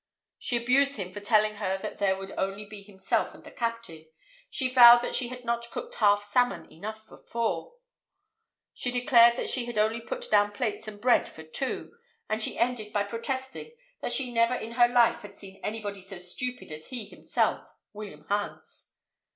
She abused him for telling her that there would only be himself and the captain; she vowed that she had not cooked half salmon enough for four; she declared that she had only put down plates and bread for two; and she ended by protesting that she never in her life had seen anybody so stupid as he himself, William Hans.